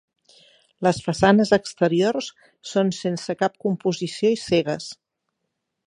Les façanes exteriors són sense cap composició i cegues.